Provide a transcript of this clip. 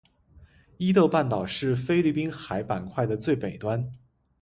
伊豆半岛是菲律宾海板块的最北端。